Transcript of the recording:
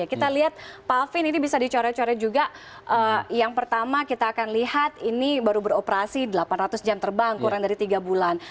kita lihat pak alvin ini bisa dicoret coret juga yang pertama kita akan lihat ini baru beroperasi delapan ratus jam terbang kurang dari tiga bulan